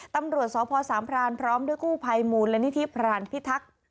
ตำรวจสพสามพรานพร้อมด้วยกู้ภัยมูลนิธิพรานพิทักษ์